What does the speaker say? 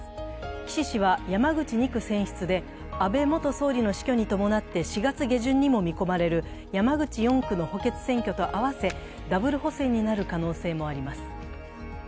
岸氏は山口２区選出で、安倍元総理の死去に伴って４月下旬にも見込まれる山口４区の補欠選挙と合わせてダブル補選になる可能性もあります。